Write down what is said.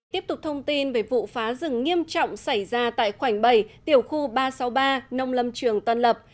tiếp tục thông tin về vụ phá rừng nghiêm trọng xảy ra tại khoảnh bầy tiểu khu ba trăm sáu mươi ba nông lâm trường tân lập